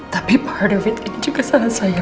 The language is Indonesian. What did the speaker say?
tapi part of it ini juga salah saya